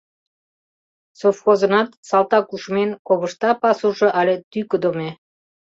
Совхозынат салтакушмен, ковышта пасужо але тӱкыдымӧ...